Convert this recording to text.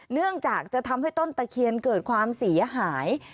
เนื่องจากจะทำให้ต้นตะเคียนเกิดความเสียหาย